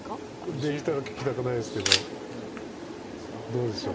これできたら利きたくないですけどどうでしょう。